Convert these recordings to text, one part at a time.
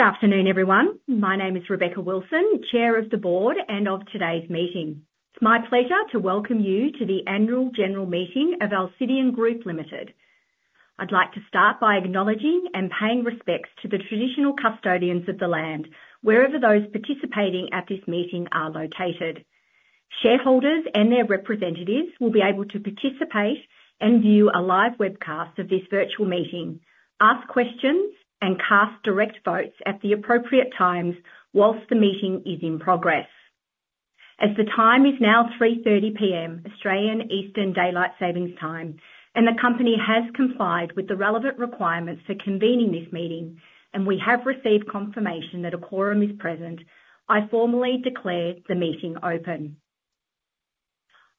Good afternoon, everyone. My name is Rebecca Wilson, Chair of the Board and of today's meeting. It's my pleasure to welcome you to the Annual General Meeting of Alcidion Group Limited. I'd like to start by acknowledging and paying respects to the traditional custodians of the land, wherever those participating at this meeting are located. Shareholders and their representatives will be able to participate and view a live webcast of this virtual meeting, ask questions, and cast direct votes at the appropriate times whilst the meeting is in progress. As the time is now 3:30 P.M., Australian Eastern Daylight Saving Time, and the company has complied with the relevant requirements for convening this meeting, and we have received confirmation that a quorum is present, I formally declare the meeting open.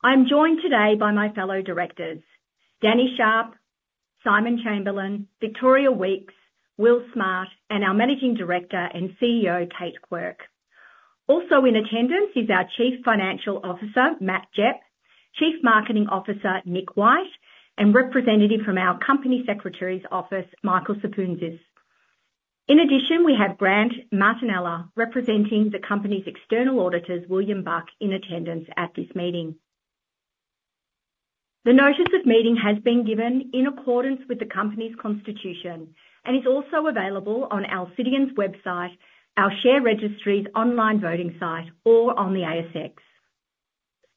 I'm joined today by my fellow directors, Danny Sharp, Simon Chamberlain, Victoria Weekes, Will Smart, and our Managing Director and CEO, Kate Quirke. Also in attendance is our Chief Financial Officer, Matt Gepp, Chief Marketing Officer, Nick White, and representative from our company secretary's office, Michael Sapountzis. In addition, we have Grant Martinella, representing the company's external auditors, William Buck, in attendance at this meeting. The notice of meeting has been given in accordance with the company's constitution and is also available on Alcidion's website, our share registry's online voting site, or on the ASX.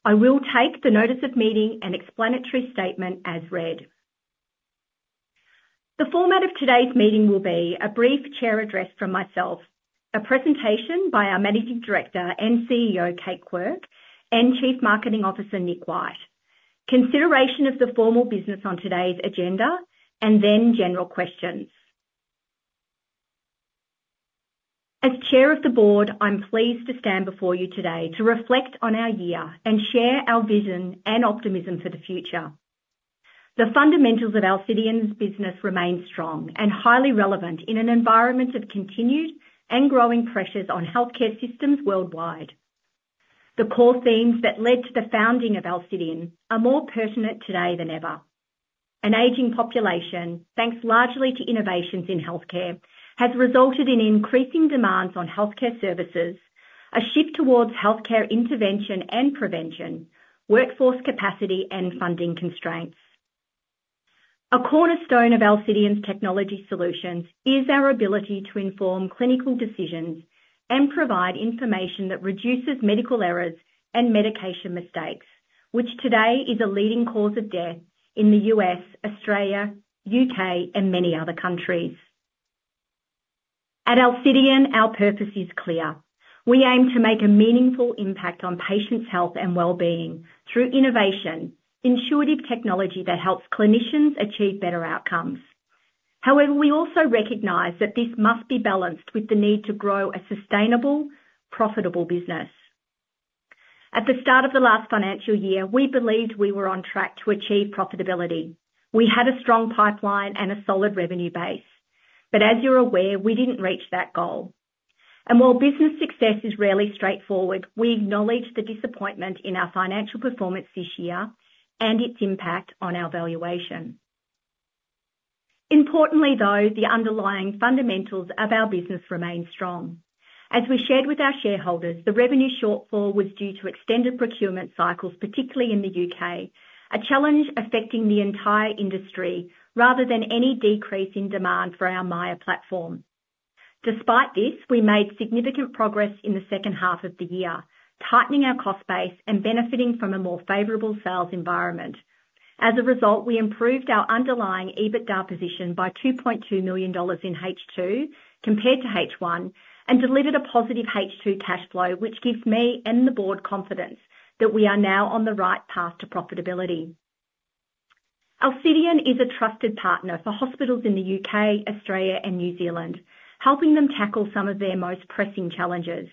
I will take the notice of meeting and explanatory statement as read. The format of today's meeting will be a brief chair address from myself, a presentation by our Managing Director and CEO, Kate Quirke, and Chief Marketing Officer, Nick White. Consideration of the formal business on today's agenda, and then general questions. As Chair of the Board, I'm pleased to stand before you today to reflect on our year and share our vision and optimism for the future. The fundamentals of Alcidion's business remain strong and highly relevant in an environment of continued and growing pressures on healthcare systems worldwide. The core themes that led to the founding of Alcidion are more pertinent today than ever. An aging population, thanks largely to innovations in healthcare, has resulted in increasing demands on healthcare services, a shift towards healthcare intervention and prevention, workforce capacity, and funding constraints. A cornerstone of Alcidion's technology solutions is our ability to inform clinical decisions and provide information that reduces medical errors and medication mistakes, which today is a leading cause of death in the U.S., Australia, U.K., and many other countries. At Alcidion, our purpose is clear. We aim to make a meaningful impact on patients' health and well-being through innovation, intuitive technology that helps clinicians achieve better outcomes. However, we also recognize that this must be balanced with the need to grow a sustainable, profitable business. At the start of the last financial year, we believed we were on track to achieve profitability. We had a strong pipeline and a solid revenue base, but as you're aware, we didn't reach that goal. And while business success is rarely straightforward, we acknowledge the disappointment in our financial performance this year and its impact on our valuation. Importantly, though, the underlying fundamentals of our business remain strong. As we shared with our shareholders, the revenue shortfall was due to extended procurement cycles, particularly in the U.K., a challenge affecting the entire industry rather than any decrease in demand for our Miya platform. Despite this, we made significant progress in the second half of the year, tightening our cost base and benefiting from a more favorable sales environment. As a result, we improved our underlying EBITDA position by 2.2 million dollars in H2 compared to H1, and delivered a positive H2 cash flow, which gives me and the board confidence that we are now on the right path to profitability. Alcidion is a trusted partner for hospitals in the U.K., Australia, and New Zealand, helping them tackle some of their most pressing challenges.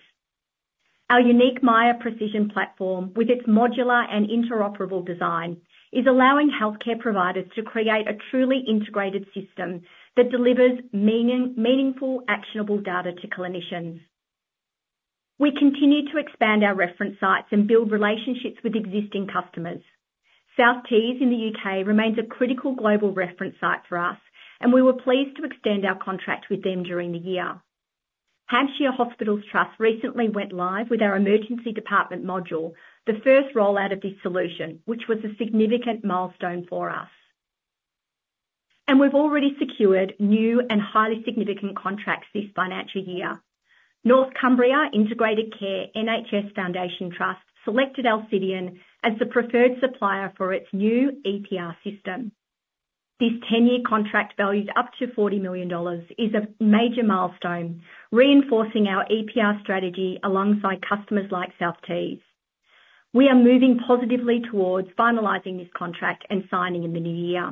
Our unique Miya Precision platform, with its modular and interoperable design, is allowing healthcare providers to create a truly integrated system that delivers meaningful, actionable data to clinicians. We continue to expand our reference sites and build relationships with existing customers. South Tees in the U.K. remains a critical global reference site for us, and we were pleased to extend our contract with them during the year. Hampshire Hospitals Trust recently went live with our emergency department module, the first rollout of this solution, which was a significant milestone for us, and we've already secured new and highly significant contracts this financial year. North Cumbria Integrated Care NHS Foundation Trust selected Alcidion as the preferred supplier for its new EPR system. This 10-year contract, valued up to 40 million dollars, is a major milestone, reinforcing our EPR strategy alongside customers like South Tees. We are moving positively towards finalizing this contract and signing in the new year.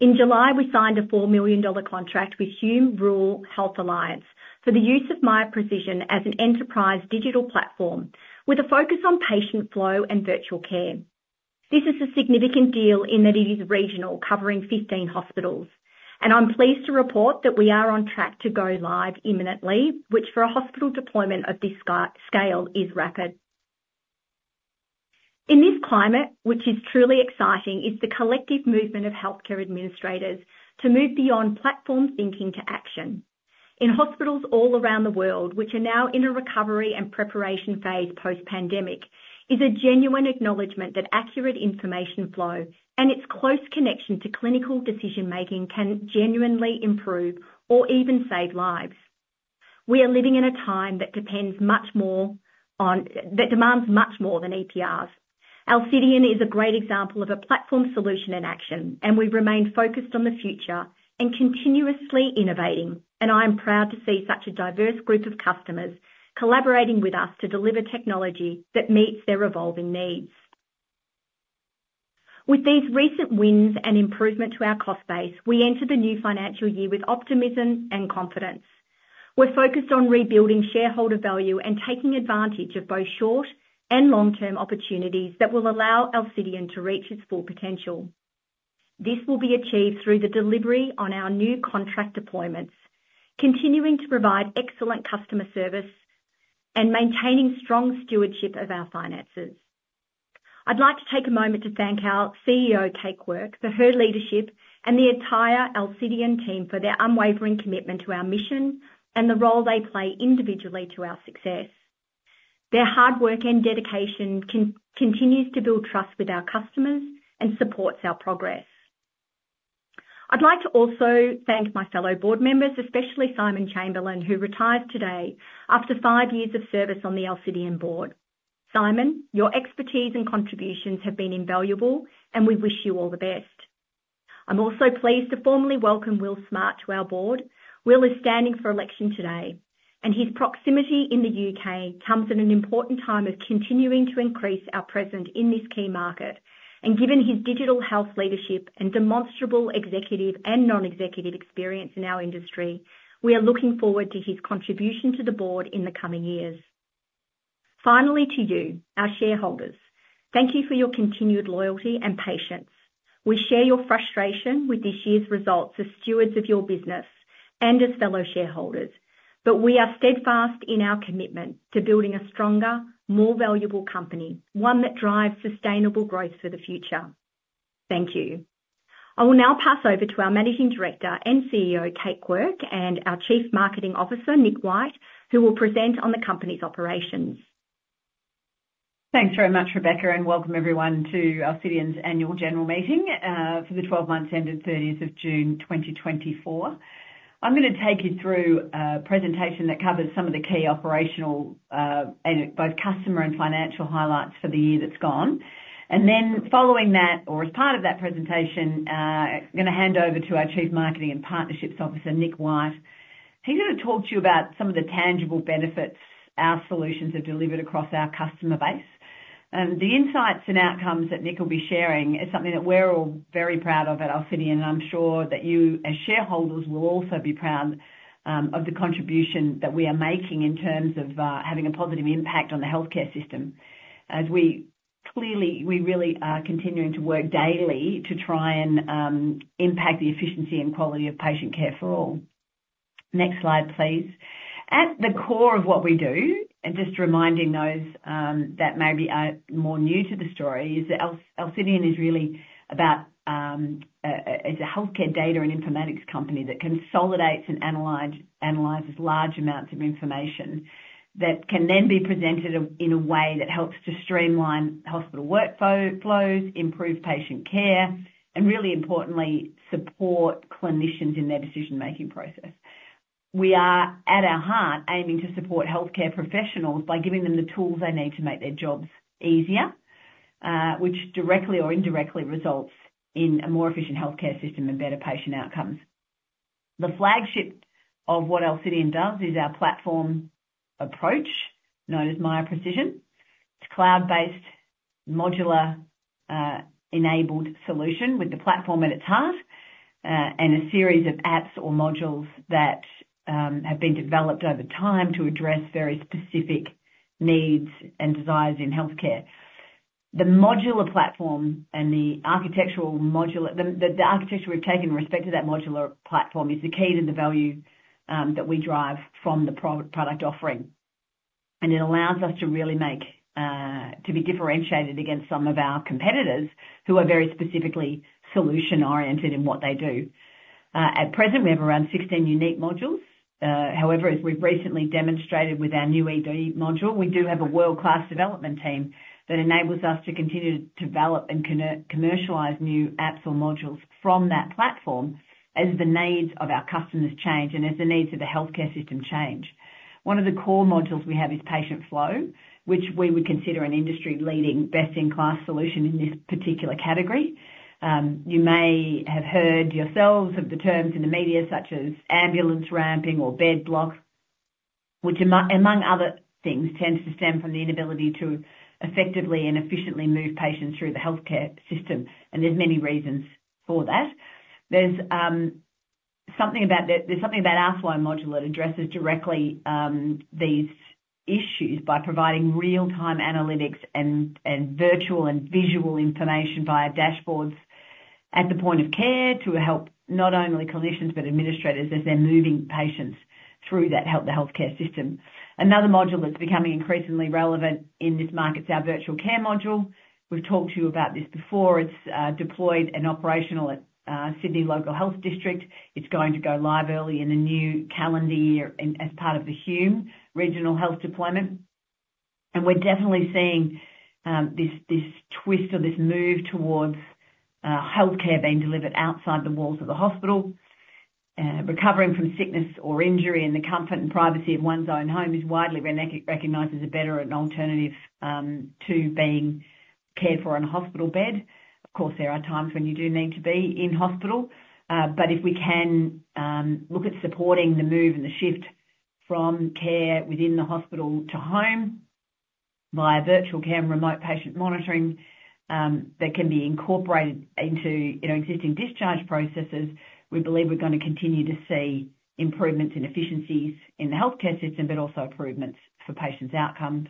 In July, we signed a 4 million dollar contract with Hume Rural Health Alliance for the use of Miya Precision as an enterprise digital platform with a focus on patient flow and virtual care. This is a significant deal in that it is regional, covering 15 hospitals, and I'm pleased to report that we are on track to go live imminently, which, for a hospital deployment of this scale, is rapid. In this climate, which is truly exciting, is the collective movement of healthcare administrators to move beyond platform thinking to action. In hospitals all around the world, which are now in a recovery and preparation phase post-pandemic, is a genuine acknowledgment that accurate information flow and its close connection to clinical decision-making can genuinely improve or even save lives. We are living in a time that demands much more than EPRs. Alcidion is a great example of a platform solution in action, and we've remained focused on the future and continuously innovating, and I am proud to see such a diverse group of customers collaborating with us to deliver technology that meets their evolving needs. With these recent wins and improvement to our cost base, we enter the new financial year with optimism and confidence. We're focused on rebuilding shareholder value and taking advantage of both short and long-term opportunities that will allow Alcidion to reach its full potential. This will be achieved through the delivery on our new contract deployments, continuing to provide excellent customer service and maintaining strong stewardship of our finances. I'd like to take a moment to thank our CEO, Kate Quirke, for her leadership, and the entire Alcidion team for their unwavering commitment to our mission and the role they play individually to our success. Their hard work and dedication continues to build trust with our customers and supports our progress. I'd like to also thank my fellow board members, especially Simon Chamberlain, who retires today after five years of service on the Alcidion board. Simon, your expertise and contributions have been invaluable, and we wish you all the best. I'm also pleased to formally welcome Will Smart to our board. Will is standing for election today, and his proximity in the U.K. comes at an important time of continuing to increase our presence in this key market, given his digital health leadership and demonstrable executive and non-executive experience in our industry. We are looking forward to his contribution to the board in the coming years. Finally, to you, our shareholders, thank you for your continued loyalty and patience. We share your frustration with this year's results as stewards of your business and as fellow shareholders, but we are steadfast in our commitment to building a stronger, more valuable company, one that drives sustainable growth for the future. Thank you. I will now pass over to our Managing Director and CEO, Kate Quirke, and our Chief Marketing Officer, Nick White, who will present on the company's operations. Thanks very much, Rebecca, and welcome everyone to Alcidion's Annual General Meeting for the 12 months ending 30th of June, 2024. I'm gonna take you through a presentation that covers some of the key operational and both customer and financial highlights for the year that's gone. Then following that, or as part of that presentation, I'm gonna hand over to our Chief Marketing and Partnerships Officer, Nick White. He's gonna talk to you about some of the tangible benefits our solutions have delivered across our customer base. The insights and outcomes that Nick will be sharing is something that we're all very proud of at Alcidion, and I'm sure that you, as shareholders, will also be proud of the contribution that we are making in terms of having a positive impact on the healthcare system, as we clearly, we really are continuing to work daily to try and impact the efficiency and quality of patient care for all. Next slide, please. At the core of what we do, and just reminding those that maybe are more new to the story, is that Alcidion is really about, it's a healthcare data and informatics company that consolidates and analyzes large amounts of information that can then be presented in a way that helps to streamline hospital workflows, improve patient care, and really importantly, support clinicians in their decision-making process. We are, at our heart, aiming to support healthcare professionals by giving them the tools they need to make their jobs easier, which directly or indirectly results in a more efficient healthcare system and better patient outcomes. The flagship of what Alcidion does is our platform approach, known as Miya Precision. It's a cloud-based, modular, enabled solution with the platform at its heart, and a series of apps or modules that have been developed over time to address very specific needs and desires in healthcare. The modular platform and the architecture we've taken in respect to that modular platform is the key to the value that we derive from the product offering, and it allows us to really make to be differentiated against some of our competitors, who are very specifically solution-oriented in what they do. At present, we have around 16 unique modules. However, as we've recently demonstrated with our new ED module, we do have a world-class development team that enables us to continue to develop and commercialize new apps or modules from that platform as the needs of our customers change and as the needs of the healthcare system change. One of the core modules we have is Miya Flow, which we would consider an industry-leading, best-in-class solution in this particular category. You may have heard yourselves of the terms in the media, such as ambulance ramping or bed blocks, which, among other things, tends to stem from the inability to effectively and efficiently move patients through the healthcare system, and there's many reasons for that. There's something about our flow module that addresses directly these issues by providing real-time analytics and virtual and visual information via dashboards. at the point of care to help not only clinicians, but administrators, as they're moving patients through that health, the healthcare system. Another module that's becoming increasingly relevant in this market is our virtual care module. We've talked to you about this before. It's deployed and operational at Sydney Local Health District. It's going to go live early in the new calendar year and as part of the Hume Rural Health deployment. And we're definitely seeing this twist or this move towards healthcare being delivered outside the walls of the hospital. Recovering from sickness or injury in the comfort and privacy of one's own home is widely recognized as a better alternative to being cared for in a hospital bed. Of course, there are times when you do need to be in hospital, but if we can look at supporting the move and the shift from care within the hospital to home via virtual care and remote patient monitoring, that can be incorporated into, you know, existing discharge processes, we believe we're gonna continue to see improvements in efficiencies in the healthcare system, but also improvements for patients' outcomes.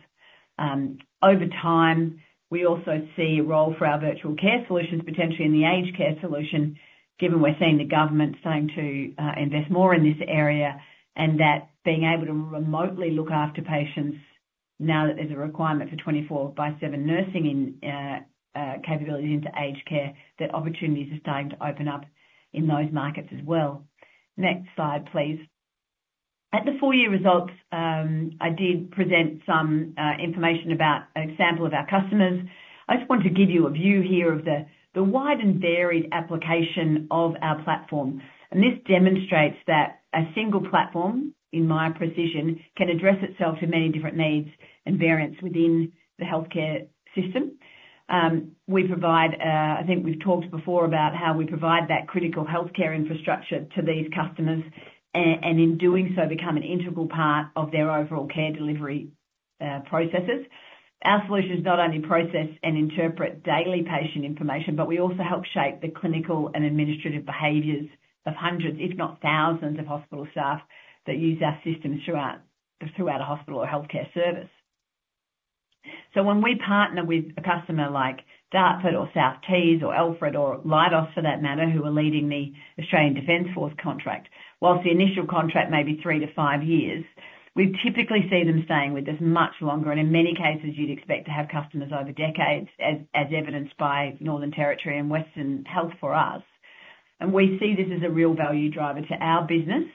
Over time, we also see a role for our virtual care solutions, potentially in the aged care solution, given we're seeing the government starting to invest more in this area, and that being able to remotely look after patients now that there's a requirement for 24 by seven nursing and capability into aged care, that opportunities are starting to open up in those markets as well. Next slide, please. At the full year results, I did present some information about a sample of our customers. I just want to give you a view here of the wide and varied application of our platform. This demonstrates that a single platform, Miya Precision, can address itself to many different needs and variants within the healthcare system. We provide. I think we've talked before about how we provide that critical healthcare infrastructure to these customers, and in doing so, become an integral part of their overall care delivery processes. Our solutions not only process and interpret daily patient information, but we also help shape the clinical and administrative behaviors of hundreds, if not thousands, of hospital staff that use our systems throughout a hospital or healthcare service. When we partner with a customer like Dartford or South Tees or Alfred, or Leidos, for that matter, who are leading the Australian Defence Force contract, while the initial contract may be three to five years, we typically see them staying with us much longer, and in many cases, you'd expect to have customers over decades, as evidenced by Northern Territory and Western Health for us. We see this as a real value driver to our business.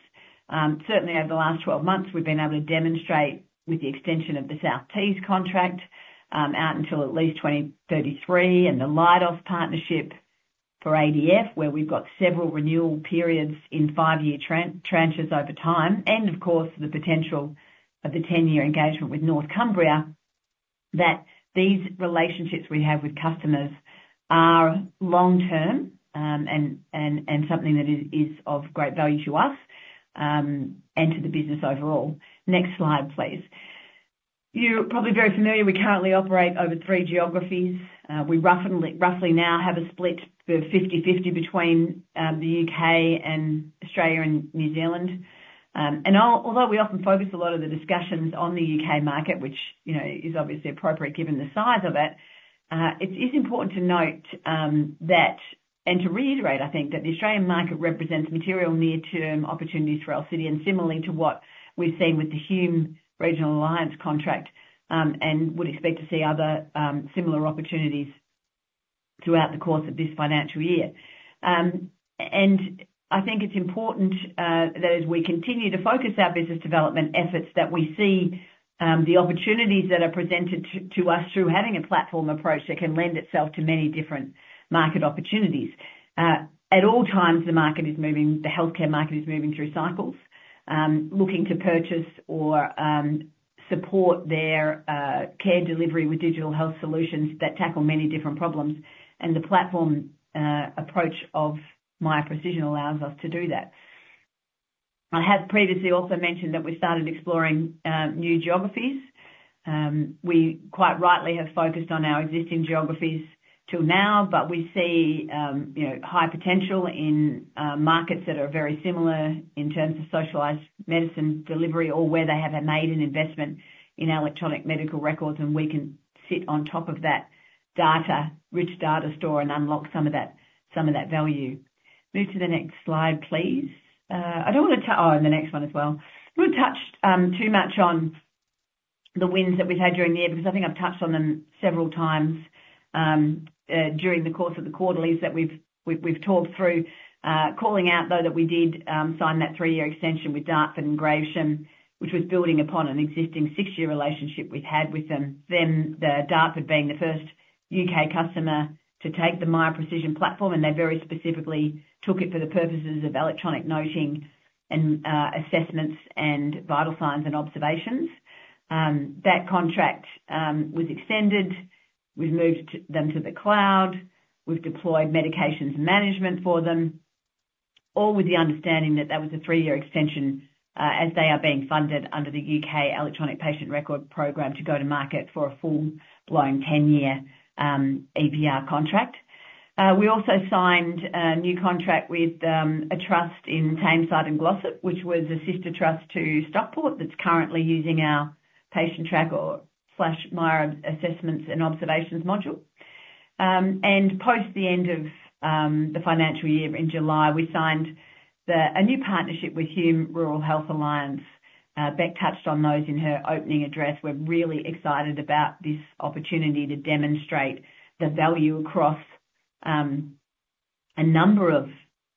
Certainly over the last twelve months, we've been able to demonstrate with the extension of the South Tees contract out until at least 2033, and the Leidos partnership for ADF, where we've got several renewal periods in five-year tranches over time, and of course, the potential of the 10-year engagement with North Cumbria, that these relationships we have with customers are long term, and something that is of great value to us, and to the business overall. Next slide, please. You're probably very familiar. We currently operate over three geographies. We roughly now have a 50/50 split between the U.K. and Australia and New Zealand. And although we often focus a lot of the discussions on the U.K. market, which, you know, is obviously appropriate given the size of it, it is important to note that and to reiterate, I think, that the Australian market represents material near-term opportunities for Alcidion, and similarly to what we've seen with the Hume Rural Health Alliance contract, and would expect to see other similar opportunities throughout the course of this financial year. And I think it's important that as we continue to focus our business development efforts, that we see the opportunities that are presented to us through having a platform approach that can lend itself to many different market opportunities. At all times, the market is moving, the healthcare market is moving through cycles, looking to purchase or support their care delivery with digital health solutions that tackle many different problems, and the platform approach of Miya Precision allows us to do that. I have previously also mentioned that we started exploring new geographies. We quite rightly have focused on our existing geographies till now, but we see, you know, high potential in markets that are very similar in terms of socialized medicine delivery or where they have made an investment in electronic medical records, and we can sit on top of that data-rich data store and unlock some of that value. Move to the next slide, please. I don't want to, and the next one as well. We've touched too much on the wins that we've had during the year, because I think I've touched on them several times during the course of the quarterlies that we've talked through. Calling out, though, that we did sign that three-year extension with Dartford and Gravesham, which was building upon an existing six-year relationship we've had with them. Then, the Dartford being the first U.K. customer to take the Miya Precision platform, and they very specifically took it for the purposes of electronic noting and assessments and vital signs and observations. That contract was extended. We've moved them to the cloud. We've deployed medications management for them, all with the understanding that that was a 3-year extension, as they are being funded under the UK Electronic Patient Record program to go to market for a full-blown 10-year EPR contract. We also signed a new contract with a trust in Tameside and Glossop, which was a sister trust to Stockport, that's currently using our Patientrack or slash Miya Assessments and Observations module. And post the end of the financial year in July, we signed a new partnership with Hume Rural Health Alliance. Beck touched on those in her opening address. We're really excited about this opportunity to demonstrate the value across a number of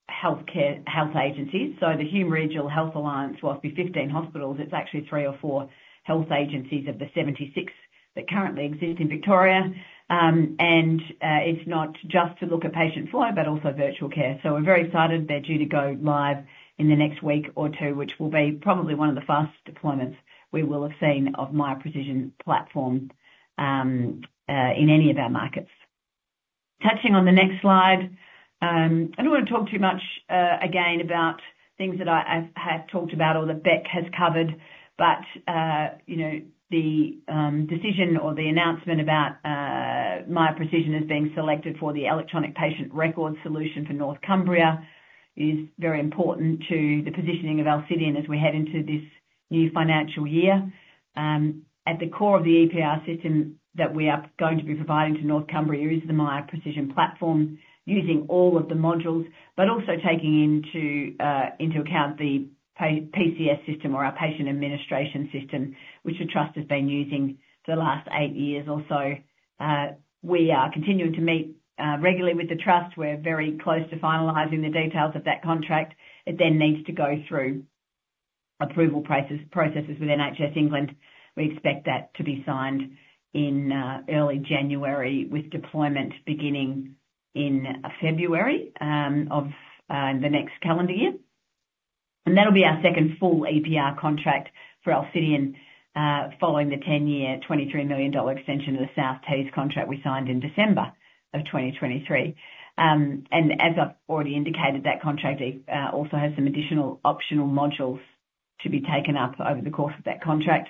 health agencies. So the Hume Rural Health Alliance, whilst being 15 hospitals, it's actually three or four health agencies of the 76 that currently exist in Victoria. It's not just to look at patient flow, but also virtual care. So we're very excited. They're due to go live in the next week or two, which will be probably one of the fastest deployments we will have seen of Miya Precision platform in any of our markets. Touching on the next slide, I don't want to talk too much again about things that I have talked about or that Beck has covered, but you know, the decision or the announcement about Miya Precision as being selected for the electronic patient record solution for North Cumbria is very important to the positioning of Alcidion as we head into this new financial year. At the core of the EPR system that we are going to be providing to North Cumbria is the Miya Precision platform, using all of the modules, but also taking into account the PAS system or our Patient Administration System, which the trust has been using for the last eight years or so. We are continuing to meet regularly with the trust. We're very close to finalizing the details of that contract. It then needs to go through approval processes with NHS England. We expect that to be signed in early January, with deployment beginning in February of the next calendar year. That'll be our second full EPR contract for Alcidion, following the ten-year, 23 million dollar extension of the South Tees contract we signed in December 2023. And as I've already indicated, that contract also has some additional optional modules to be taken up over the course of that contract.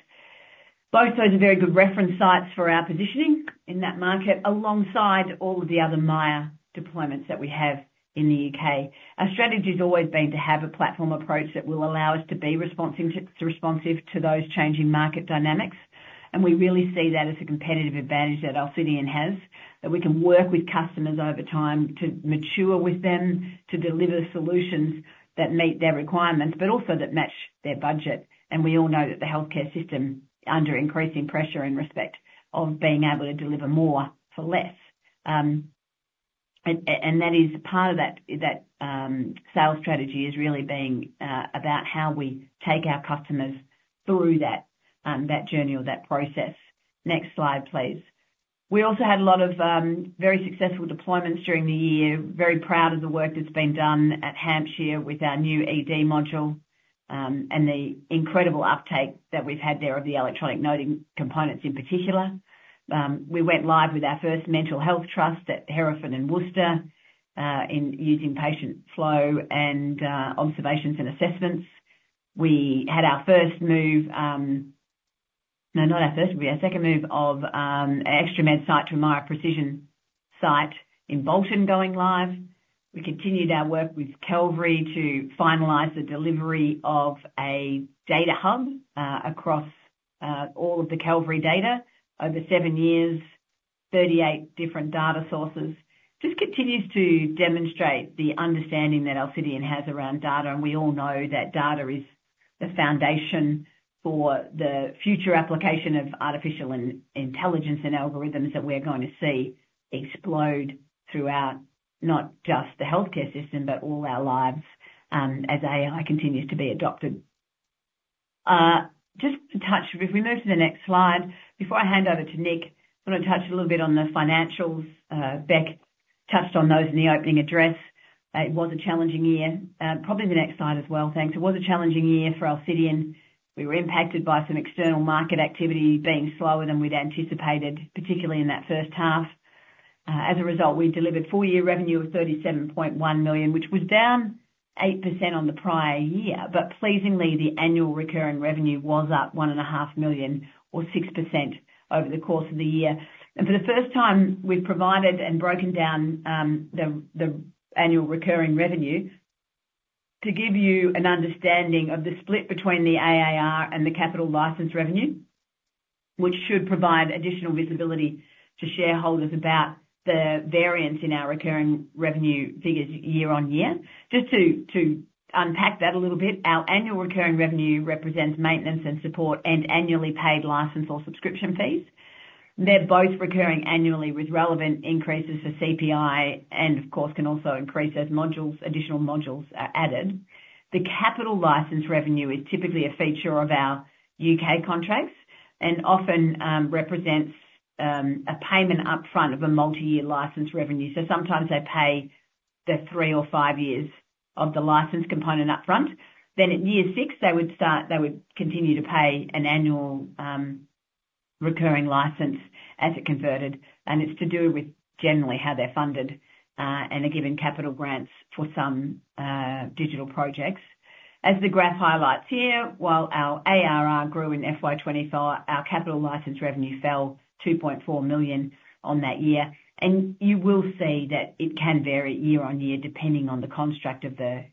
Both those are very good reference sites for our positioning in that market, alongside all of the other Miya deployments that we have in the U.K.. Our strategy has always been to have a platform approach that will allow us to be responsive to those changing market dynamics, and we really see that as a competitive advantage that Alcidion has, that we can work with customers over time to mature with them, to deliver solutions that meet their requirements, but also that match their budget, and we all know that the healthcare system under increasing pressure in respect of being able to deliver more for less. That is part of that sales strategy is really being about how we take our customers through that journey or that process. Next slide, please. We also had a lot of very successful deployments during the year. Very proud of the work that's been done at Hampshire with our new ED module, and the incredible uptake that we've had there of the electronic noting components in particular. We went live with our first mental health trust at Herefordshire and Worcestershire in using patient flow and observations and assessments. We had our first move. No, not our first, would be our second move of an ExtraMed site to a Miya Precision site in Bolton going live. We continued our work with Calvary to finalize the delivery of a data hub across all of the Calvary data. Over seven years, 38 different data sources. Just continues to demonstrate the understanding that Alcidion has around data, and we all know that data is the foundation for the future application of artificial intelligence and algorithms that we're going to see explode throughout, not just the healthcare system, but all our lives, as AI continues to be adopted. Just to touch, if we move to the next slide. Before I hand over to Nick, I want to touch a little bit on the financials. Beck touched on those in the opening address. It was a challenging year, probably the next slide as well, thanks. It was a challenging year for Alcidion. We were impacted by some external market activity being slower than we'd anticipated, particularly in that first half. As a result, we delivered full year revenue of 37.1 million, which was down 8% on the prior year, but pleasingly, the annual recurring revenue was up 1.5 million or 6% over the course of the year. For the first time, we've provided and broken down the annual recurring revenue to give you an understanding of the split between the ARR and the capital license revenue, which should provide additional visibility to shareholders about the variance in our recurring revenue figures year-on-year. Just to unpack that a little bit, our annual recurring revenue represents maintenance and support and annually paid license or subscription fees. They're both recurring annually with relevant increases for CPI, and of course, can also increase as modules, additional modules are added. The capital license revenue is typically a feature of our U.K. contracts and often represents a payment upfront of a multi-year license revenue. So sometimes they pay the three or five years of the license component upfront. Then at year six, they would continue to pay an annual recurring license as it converted, and it's to do with generally how they're funded and are given capital grants for some digital projects. As the graph highlights here, while our ARR grew in FY 2024, our capital license revenue fell 2.4 million on that year, and you will see that it can vary year-on-year, depending on the construct of the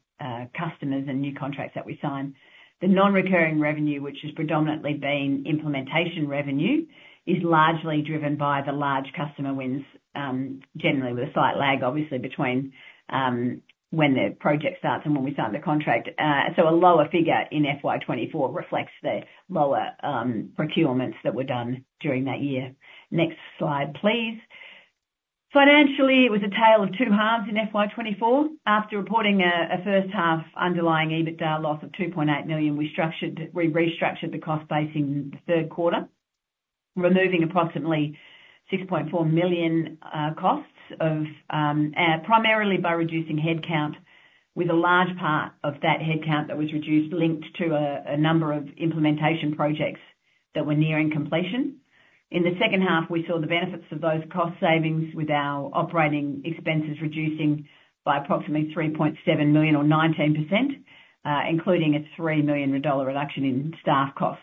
customers and new contracts that we sign. The non-recurring revenue, which has predominantly been implementation revenue, is largely driven by the large customer wins, generally with a slight lag, obviously, between when the project starts and when we start the contract. So a lower figure in FY 2024 reflects the lower procurements that were done during that year. Next slide, please. Financially, it was a tale of two halves in FY 2024. After reporting a first half underlying EBITDA loss of 2.8 million, we restructured the cost base in the third quarter, removing approximately 6.4 million costs primarily by reducing headcount, with a large part of that headcount that was reduced linked to a number of implementation projects that were nearing completion. In the second half, we saw the benefits of those cost savings with our operating expenses reducing by approximately 3.7 million or 19%, including a 3 million dollar reduction in staff costs.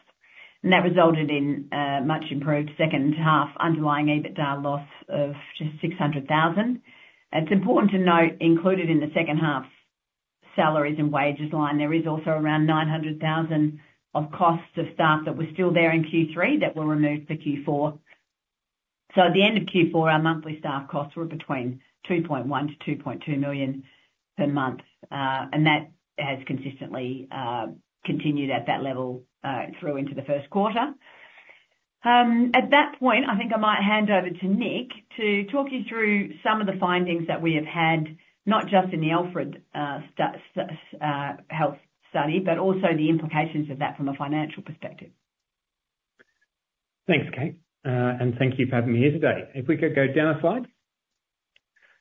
And that resulted in a much improved second half underlying EBITDA loss of just 600,000. It's important to note, included in the second half's salaries and wages line, there is also around 900,000 of costs of staff that were still there in Q3 that were removed for Q4. So at the end of Q4, our monthly staff costs were between 2.1 million-2.2 million per month, and that has consistently continued at that level through into the first quarter. At that point, I think I might hand over to Nick to talk you through some of the findings that we have had, not just in the Alfred Health study, but also the implications of that from a financial perspective. Thanks, Kate, and thank you for having me here today. If we could go down a slide.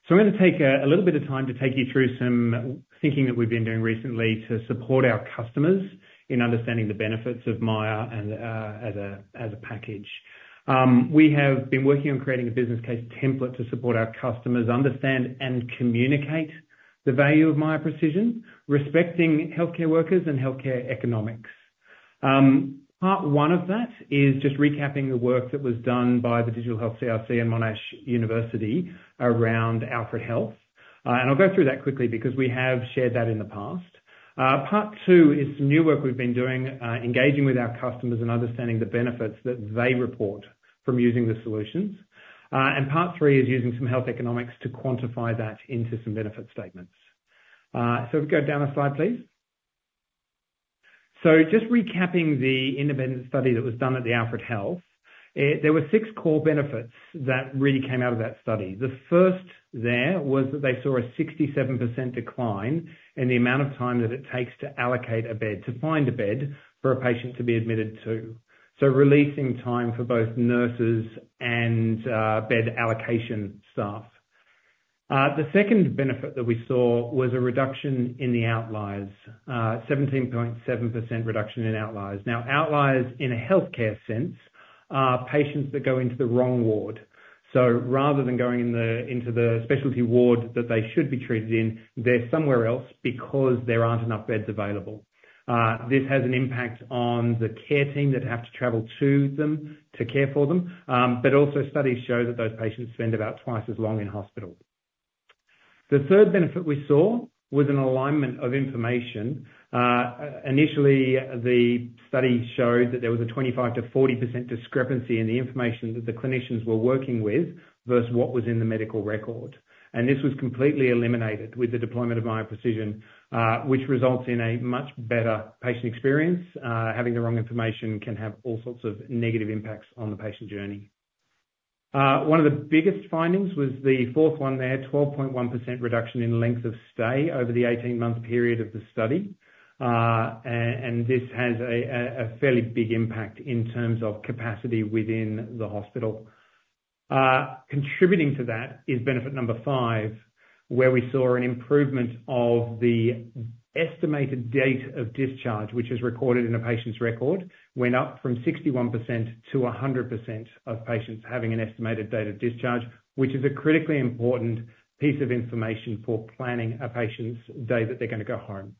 So I'm going to take a little bit of time to take you through some thinking that we've been doing recently to support our customers in understanding the benefits of Miya and as a package. We have been working on creating a business case template to support our customers understand and communicate the value of Miya Precision, respecting healthcare workers and healthcare economics. Part one of that is just recapping the work that was done by the Digital Health CRC and Monash University around Alfred Health. And I'll go through that quickly because we have shared that in the past. Part two is some new work we've been doing, engaging with our customers and understanding the benefits that they report from using the solutions, and part three is using some health economics to quantify that into some benefit statements, so if we go down a slide, please, so just recapping the independent study that was done at the Alfred Health. There were six core benefits that really came out of that study. The first there was that they saw a 67% decline in the amount of time that it takes to allocate a bed, to find a bed for a patient to be admitted to, so releasing time for both nurses and bed allocation staff. The second benefit that we saw was a reduction in the outliers, 17.7% reduction in outliers. Now, outliers in a healthcare sense, are patients that go into the wrong ward. So rather than going into the specialty ward that they should be treated in, they're somewhere else because there aren't enough beds available. This has an impact on the care team that have to travel to them, to care for them, but also studies show that those patients spend about twice as long in hospital. The third benefit we saw was an alignment of information. Initially, the study showed that there was a 25%-40% discrepancy in the information that the clinicians were working with versus what was in the medical record, and this was completely eliminated with the deployment of Miya Precision, which results in a much better patient experience. Having the wrong information can have all sorts of negative impacts on the patient journey. One of the biggest findings was the fourth one there, 12.1% reduction in length of stay over the 18-month period of the study, and this has a fairly big impact in terms of capacity within the hospital. Contributing to that is benefit number five, where we saw an improvement of the estimated date of discharge, which is recorded in a patient's record, went up from 61%-100% of patients having an estimated date of discharge, which is a critically important piece of information for planning a patient's day that they're gonna go home.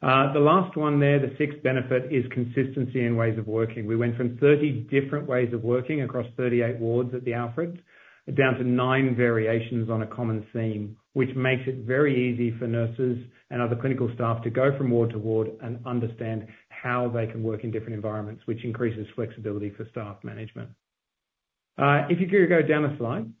The last one there, the sixth benefit, is consistency in ways of working. We went from thirty different ways of working across thirty-eight wards at the Alfred, down to nine variations on a common theme, which makes it very easy for nurses and other clinical staff to go from ward to ward and understand how they can work in different environments, which increases flexibility for staff management. If you could go down a slide.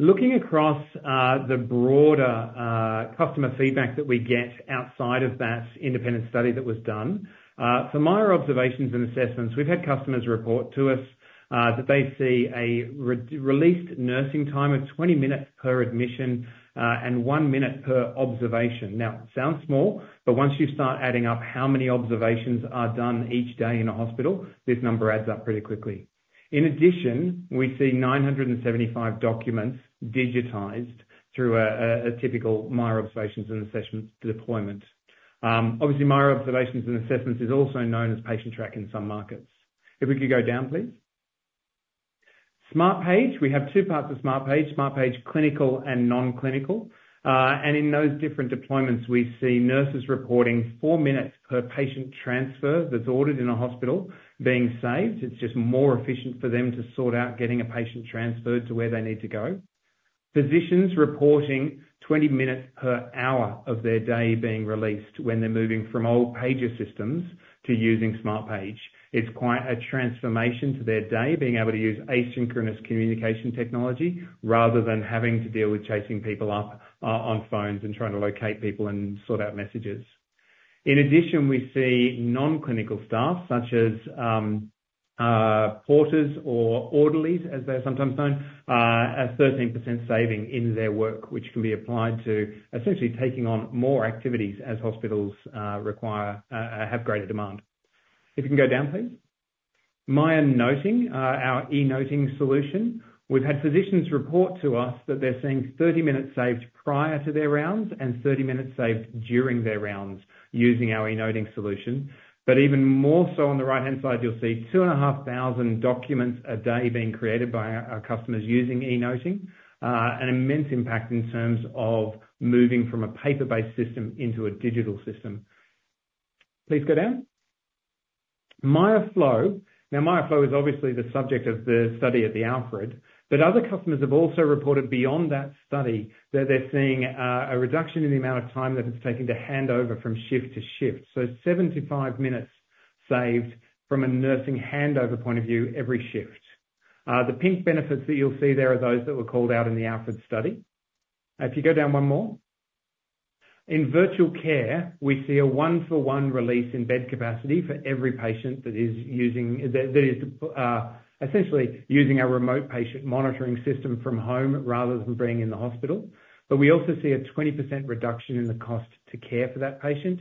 Looking across, the broader, customer feedback that we get outside of that independent study that was done, for Miya Observations and Assessments, we've had customers report to us, that they see a released nursing time of 20 minutes per admission, and one minute per observation. Now, it sounds small, but once you start adding up how many observations are done each day in a hospital, this number adds up pretty quickly. In addition, we see 975 documents digitized through a typical Miya Observations and Assessments deployment. Obviously, Miya Observations and Assessments is also known as Patientrack in some markets. If we could go down, please. Smartpage, we have two parts of Smartpage: Smartpage, clinical and non-clinical. And in those different deployments, we see nurses reporting four minutes per patient transfer that's ordered in a hospital being saved. It's just more efficient for them to sort out getting a patient transferred to where they need to go. Physicians reporting 20 minutes per hour of their day being released when they're moving from old pager systems to using Smartpage. It's quite a transformation to their day, being able to use asynchronous communication technology, rather than having to deal with chasing people up, on phones and trying to locate people and sort out messages. In addition, we see non-clinical staff, such as, porters or orderlies, as they're sometimes known, a 13% saving in their work, which can be applied to essentially taking on more activities as hospitals require, have greater demand. If you can go down, please. Miya Noting, our e-noting solution. We've had physicians report to us that they're seeing 30 minutes saved prior to their rounds and 30 minutes saved during their rounds, using our e-noting solution. But even more so, on the right-hand side, you'll see 2,500 documents a day being created by our customers using e-noting. An immense impact in terms of moving from a paper-based system into a digital system. Please go down. Miya Flow. Now, Miya Flow is obviously the subject of the study at the Alfred, but other customers have also reported beyond that study that they're seeing a reduction in the amount of time that it's taking to hand over from shift to shift. So 75 minutes saved from a nursing handover point of view, every shift. The pink benefits that you'll see there are those that were called out in the Alfred study. If you go down one more. In virtual care, we see a one-for-one release in bed capacity for every patient that is essentially using our remote patient monitoring system from home rather than being in the hospital. But we also see a 20% reduction in the cost to care for that patient.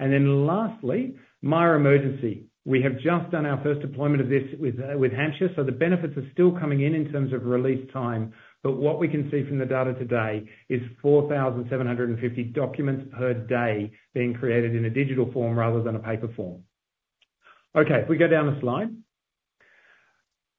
And then lastly, Miya Emergency. We have just done our first deployment of this with Hampshire, so the benefits are still coming in, in terms of release time. But what we can see from the data today is 4,750 documents per day being created in a digital form rather than a paper form. Okay, if we go down a slide.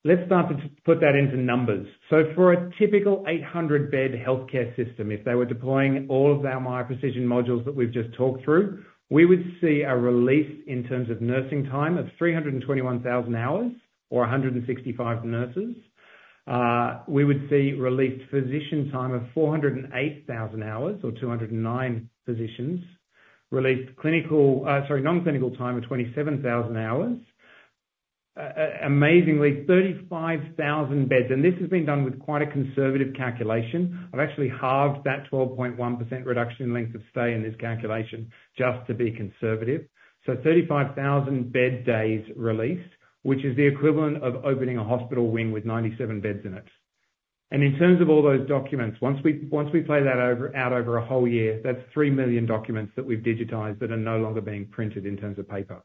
Let's start to put that into numbers. So for a typical 800-bed healthcare system, if they were deploying all of our Miya Precision modules that we've just talked through, we would see a release in terms of nursing time of 321,000 hours or 165 nurses. We would see released physician time of 408,000 hours, or 209 physicians. Released clinical, sorry, non-clinical time of 27,000 hours. Amazingly, 35,000 beds, and this has been done with quite a conservative calculation. I've actually halved that 12.1% reduction in length of stay in this calculation, just to be conservative. So 35,000 bed days released, which is the equivalent of opening a hospital wing with 97 beds in it. And in terms of all those documents, once we play that out over a whole year, that's 3 million documents that we've digitized that are no longer being printed in terms of paper.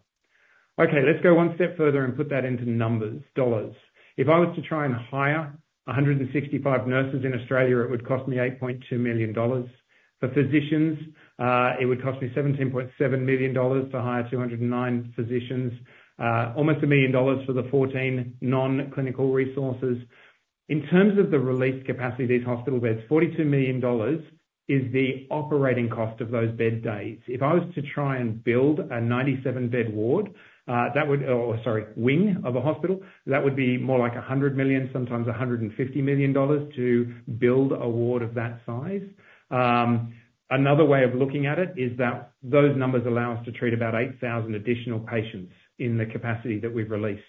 Okay, let's go one step further and put that into numbers, dollars. If I was to try and hire 165 nurses in Australia, it would cost me 8.2 million dollars. For physicians, it would cost me 17.7 million dollars to hire 209 physicians. Almost 1 million dollars for the 14 non-clinical resources. In terms of the released capacity of these hospital beds, 42 million dollars is the operating cost of those bed days. If I was to try and build a 97-bed ward, that would... Oh, sorry, wing of a hospital, that would be more like 100 million, sometimes 150 million dollars to build a ward of that size. Another way of looking at it is that those numbers allow us to treat about 8,000 additional patients in the capacity that we've released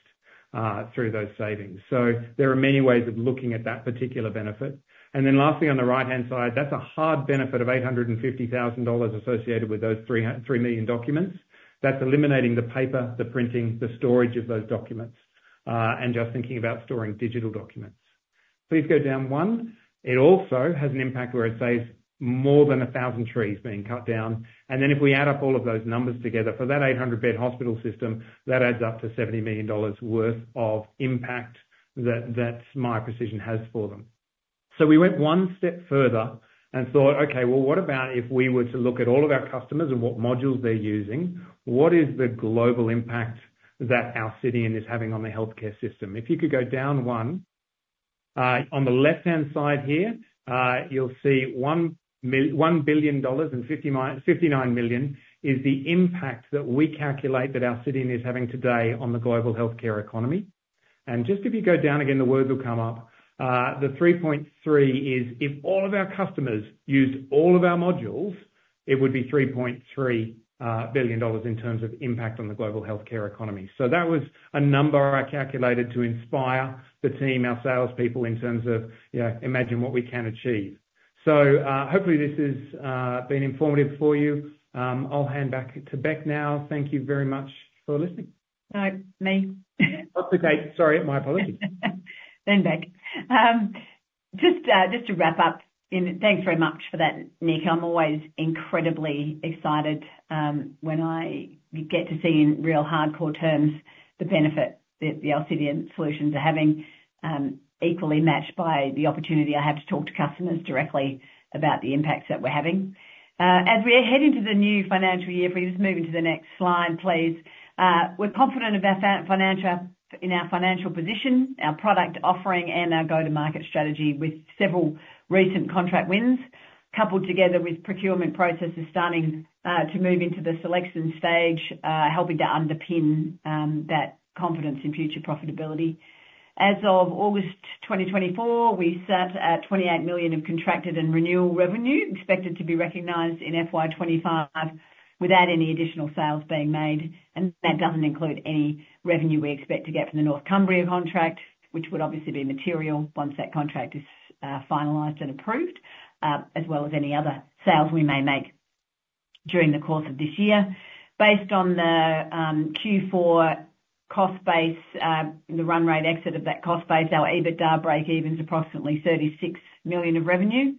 through those savings. There are many ways of looking at that particular benefit. And then lastly, on the right-hand side, that's a hard benefit of 850,000 dollars associated with those 3 million documents. That's eliminating the paper, the printing, the storage of those documents, and just thinking about storing digital documents. Please go down one. It also has an impact where it saves more than 1,000 trees being cut down. And then if we add up all of those numbers together, for that 800-bed hospital system, that adds up to 70 million dollars worth of impact that Miya Precision has for them. We went one step further and thought: Okay, well, what about if we were to look at all of our customers and what modules they're using? What is the global impact that Alcidion is having on the healthcare system? If you could go down one. On the left-hand side here, you'll see 1.59 billion dollars is the impact that we calculate that our suite is having today on the global healthcare economy. And just if you go down again, the words will come up. The 3.3 billion is, if all of our customers used all of our modules, it would be 3.3 billion dollars in terms of impact on the global healthcare economy. That was a number I calculated to inspire the team, our salespeople, in terms of, you know, imagine what we can achieve. Hopefully, this has been informative for you. I'll hand back to Beck now. Thank you very much for listening. No, me. Okay. Sorry, my apologies. Then, Beck, just to wrap up, and thanks very much for that, Nick. I'm always incredibly excited when I get to see in real hardcore terms the benefit that the Alcidion solutions are having, equally matched by the opportunity I have to talk to customers directly about the impacts that we're having. As we're heading to the new financial year, please just move into the next slide, please. We're confident about our financial position, our product offering, and our go-to-market strategy with several recent contract wins, coupled together with procurement processes starting to move into the selection stage, helping to underpin that confidence in future profitability. As of August 2024, we sat at 28 million of contracted and renewal revenue, expected to be recognized in FY 2025 without any additional sales being made, and that doesn't include any revenue we expect to get from the North Cumbria contract, which would obviously be material once that contract is finalized and approved, as well as any other sales we may make during the course of this year. Based on the Q4 cost base, the run rate exit of that cost base, our EBITDA breakeven's approximately 36 million of revenue.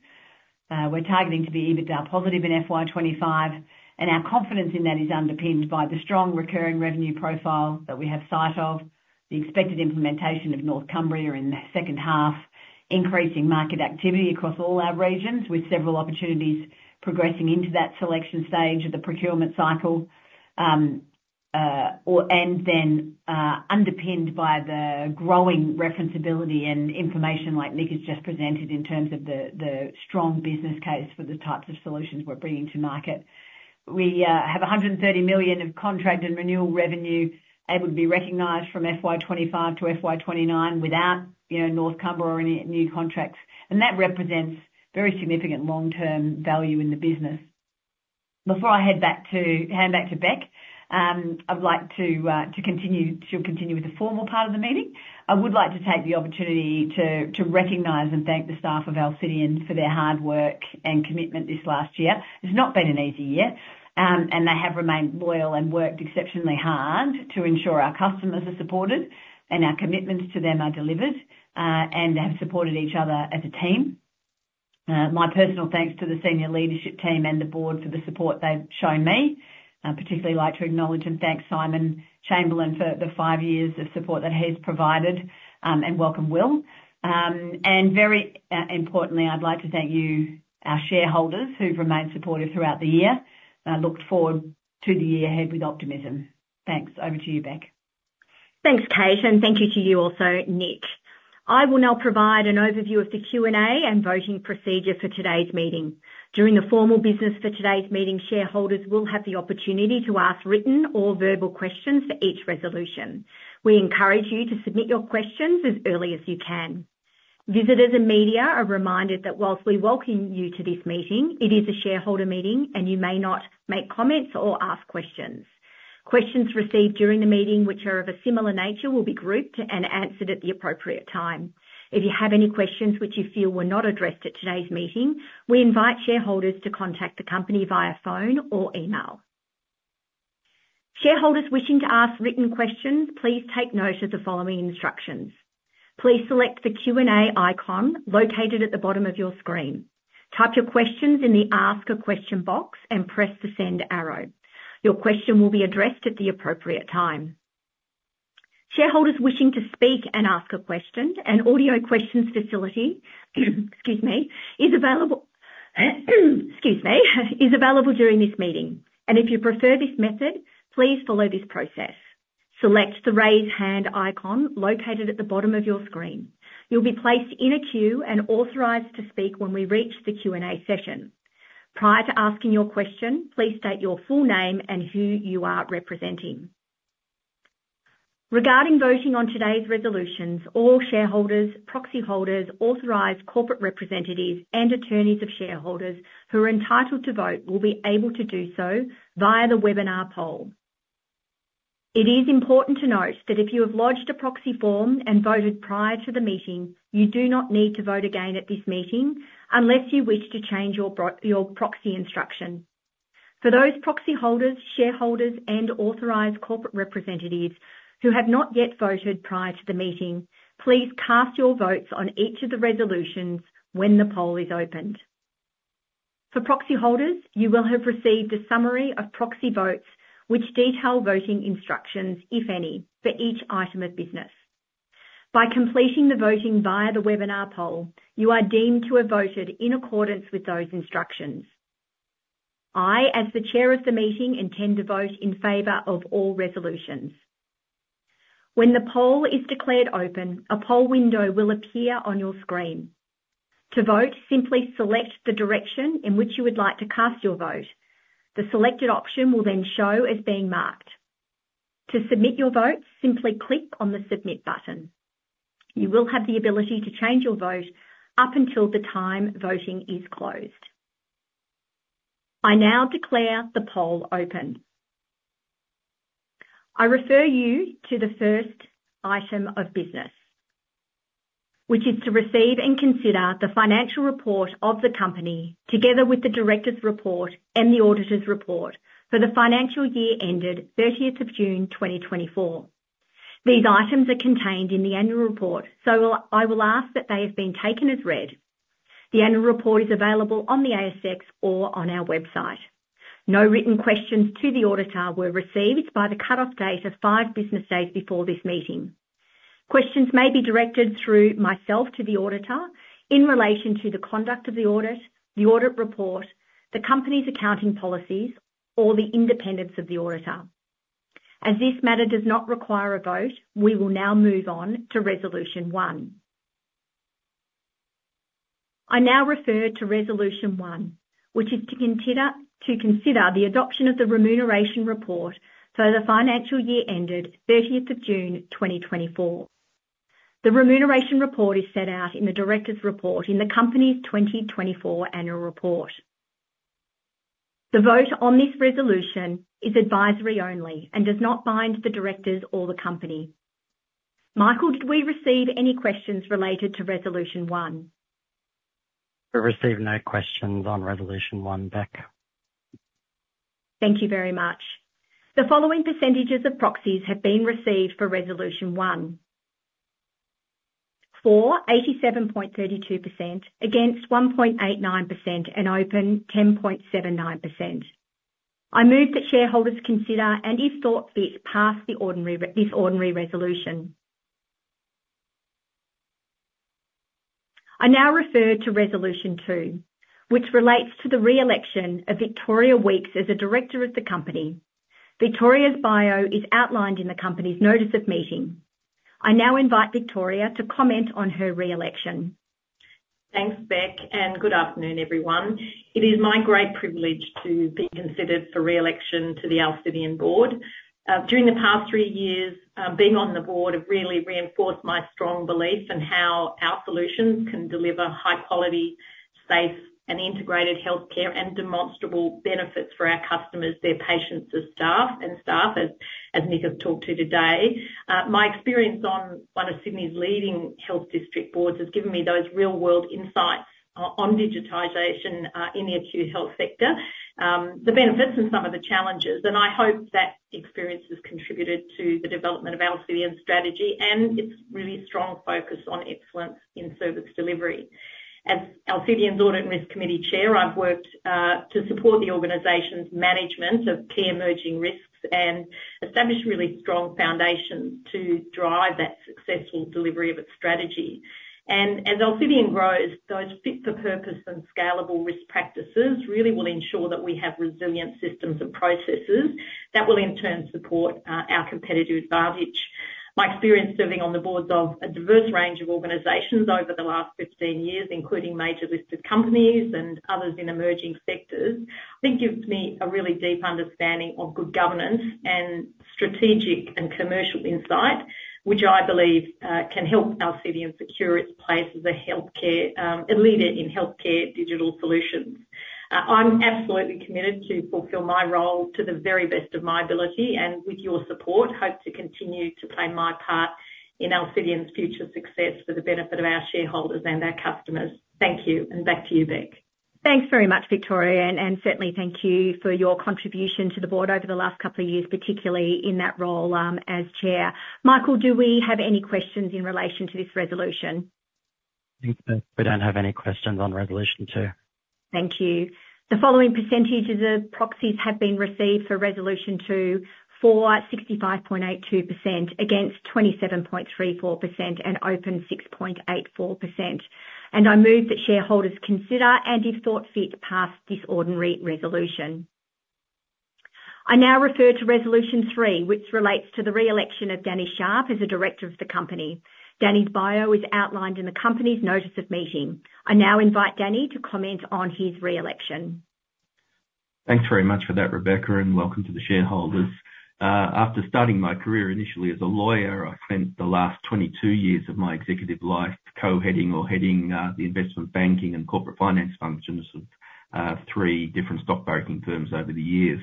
We're targeting to be EBITDA positive in FY 2025, and our confidence in that is underpinned by the strong recurring revenue profile that we have sight of, the expected implementation of North Cumbria in the second half, increasing market activity across all our regions, with several opportunities progressing into that selection stage of the procurement cycle, and then underpinned by the growing referenceability and information like Nick has just presented in terms of the strong business case for the types of solutions we're bringing to market. We have 130 million of contract and renewal revenue able to be recognized from FY 2025 to FY 2029 without, you know, North Cumbria or any new contracts, and that represents very significant long-term value in the business. Before I hand back to Beck, I'd like to. She'll continue with the formal part of the meeting. I would like to take the opportunity to recognize and thank the staff of Alcidion for their hard work and commitment this last year. It's not been an easy year, and they have remained loyal and worked exceptionally hard to ensure our customers are supported, and our commitments to them are delivered, and have supported each other as a team. My personal thanks to the senior leadership team and the board for the support they've shown me. I'd particularly like to acknowledge and thank Simon Chamberlain for the five years of support that he's provided, and welcome Will. And very, importantly, I'd like to thank you, our shareholders, who've remained supportive throughout the year, and I look forward to the year ahead with optimism. Thanks. Over to you, Beck. Thanks, Kate, and thank you to you also, Nick. I will now provide an overview of the Q&A and voting procedure for today's meeting. During the formal business for today's meeting, shareholders will have the opportunity to ask written or verbal questions for each resolution. We encourage you to submit your questions as early as you can. Visitors and media are reminded that while we welcome you to this meeting, it is a shareholder meeting, and you may not make comments or ask questions. Questions received during the meeting, which are of a similar nature, will be grouped and answered at the appropriate time. If you have any questions which you feel were not addressed at today's meeting, we invite shareholders to contact the company via phone or email. Shareholders wishing to ask written questions, please take note of the following instructions. Please select the Q&A icon located at the bottom of your screen. Type your questions in the Ask a Question box and press the Send arrow. Your question will be addressed at the appropriate time. Shareholders wishing to speak and ask a question, an audio questions facility is available during this meeting, and if you prefer this method, please follow this process. Select the Raise Hand icon located at the bottom of your screen. You'll be placed in a queue and authorized to speak when we reach the Q&A session. Prior to asking your question, please state your full name and who you are representing. Regarding voting on today's resolutions, all shareholders, proxyholders, authorized corporate representatives, and attorneys of shareholders who are entitled to vote will be able to do so via the webinar poll. It is important to note that if you have lodged a proxy form and voted prior to the meeting, you do not need to vote again at this meeting unless you wish to change your proxy instruction. For those proxy holders, shareholders, and authorized corporate representatives who have not yet voted prior to the meeting, please cast your votes on each of the resolutions when the poll is opened. For proxyholders, you will have received a summary of proxy votes, which detail voting instructions, if any, for each item of business. By completing the voting via the webinar poll, you are deemed to have voted in accordance with those instructions. I, as the chair of the meeting, intend to vote in favor of all resolutions. When the poll is declared open, a poll window will appear on your screen. To vote, simply select the direction in which you would like to cast your vote. The selected option will then show as being marked. To submit your vote, simply click on the Submit button. You will have the ability to change your vote up until the time voting is closed. I now declare the poll open. I refer you to the first item of business, which is to receive and consider the financial report of the company, together with the directors' report and the auditors' report for the financial year ended 30th of June, 2024. These items are contained in the annual report, so I will ask that they have been taken as read. The annual report is available on the ASX or on our website. No written questions to the auditor were received by the cutoff date of five business days before this meeting. Questions may be directed through myself to the auditor in relation to the conduct of the audit, the audit report, the company's accounting policies, or the independence of the auditor. As this matter does not require a vote, we will now move on to Resolution One. I now refer to Resolution One, which is to consider the adoption of the remuneration report for the financial year ended 30th of June 2024. The remuneration report is set out in the directors' report in the company's 2024 annual report. The vote on this resolution is advisory only and does not bind the directors or the company. Michael, did we receive any questions related to Resolution One? We received no questions on Resolution One, Beck. Thank you very much. The following percentages of proxies have been received for Resolution One: for, 87.32%, against, 1.89%, and open, 10.79%. I move that shareholders consider, and if thought fit, pass the ordinary resolution. I now refer to Resolution Two, which relates to the re-election of Victoria Weekes as a director of the company. Victoria's bio is outlined in the company's notice of meeting. I now invite Victoria to comment on her re-election. Thanks, Rebecca, and good afternoon, everyone. It is my great privilege to be considered for re-election to the Alcidion board. During the past three years, being on the board have really reinforced my strong belief in how our solutions can deliver high quality, safe, and integrated healthcare and demonstrable benefits for our customers, their patients, and staff, as Nick has talked to today. My experience on one of Sydney's leading health district boards has given me those real-world insights, on digitization, in the acute health sector, the benefits and some of the challenges, and I hope that experience has contributed to the development of Alcidion's strategy and its really strong focus on excellence in service delivery. As Alcidion's Audit and Risk Committee Chair, I've worked to support the organization's management of key emerging risks and establish really strong foundations to drive that successful delivery of its strategy. As Alcidion grows, those fit-for-purpose and scalable risk practices really will ensure that we have resilient systems and processes that will, in turn, support our competitive advantage. My experience serving on the boards of a diverse range of organizations over the last 15 years, including major listed companies and others in emerging sectors, I think gives me a really deep understanding of good governance and strategic and commercial insight, which I believe can help Alcidion secure its place as a healthcare leader in healthcare digital solutions. I'm absolutely committed to fulfill my role to the very best of my ability, and with your support, hope to continue to play my part in Alcidion's future success for the benefit of our shareholders and our customers. Thank you, and back to you, Beck. Thanks very much, Victoria, and certainly thank you for your contribution to the board over the last couple of years, particularly in that role, as chair. Michael, do we have any questions in relation to this resolution? We don't have any questions on Resolution Two. Thank you. The following percentages of proxies have been received for Resolution Two: for, 65.82%, against, 27.34%, and open, 6.84%. And I move that shareholders consider, and if thought fit, pass this ordinary resolution. I now refer to Resolution Three, which relates to the re-election of Danny Sharp as a director of the company. Danny's bio is outlined in the company's notice of meeting. I now invite Danny to comment on his re-election. Thanks very much for that, Rebecca, and welcome to the shareholders. After starting my career, initially as a lawyer, I spent the last 22 years of my executive life co-heading or heading the investment banking and corporate finance functions of three different stockbroking firms over the years.